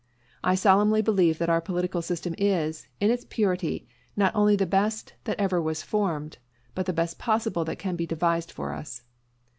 _ I solemnly believe that our political system is, in its purity, not only the best that ever was formed, but the best possible that can be devised for us.